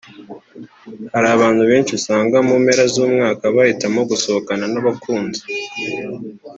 Hari abantu benshi usanga mu mpera z’umwaka bahitamo gusohokana n’abakunzi